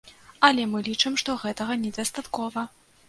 Але мы лічым, што гэтага недастаткова.